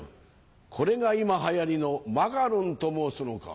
これが今はやりのマカロンと申すのか。